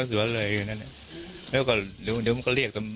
ผมก็หลวนเลยแหละแล้วก็เรียกป๋๋ว